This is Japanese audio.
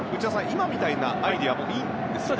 今みたいなアイデアもいいんですよね。